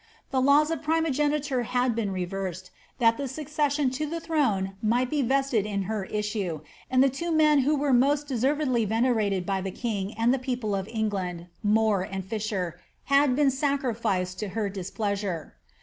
The laws of primogeniture had been reversed, that the succession to the throne might be vested in her issue, and the two men who were the most deservedly venerated by the king uid the people of England, More and Fisher, had been sacrificed to her displeasure.